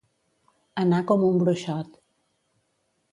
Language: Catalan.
Anar com un bruixot.